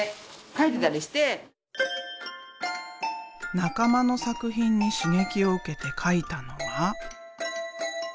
仲間の作品に刺激を受けて描いたのがこちら。